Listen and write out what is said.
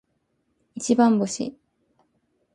一番星